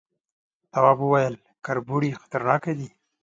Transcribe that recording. تواب وويل، کربوړي خطرناکه دي.